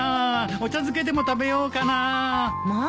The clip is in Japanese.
お茶漬けでも食べようかなあ。